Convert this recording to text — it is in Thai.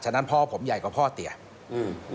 ฉะนั้นพ่อผมใหญ่กว่าพ่อเตียร์